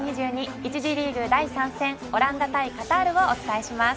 １次リーグ第３戦オランダ対カタールをお伝えします。